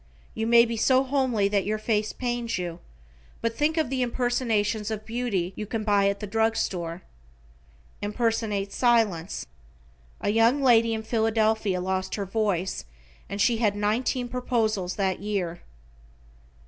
You may be so homely that your face pains you, but think of the impersonations of beauty you can buy at the drug store. Impersonate silence. A young lady in Philadelphia lost her voice and she had nineteen proposals that year.